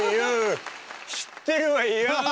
知ってるわＹＯ！